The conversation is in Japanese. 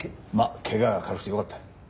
怪我が軽くてよかった。